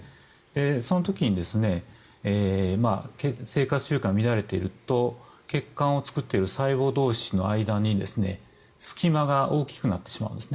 その時に生活習慣が乱れていると血管を作っている細胞同士の間に隙間が大きくなってしまうんですね。